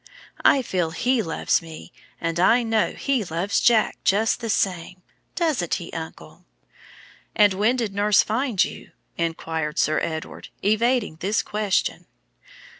I feel He loves me, and I know He loves Jack just the same; doesn't He, uncle?" "And when did nurse find you?" inquired Sir Edward, evading this question.